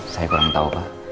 saya kurang tahu pak